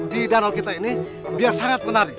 di danau kita ini dia sangat menarik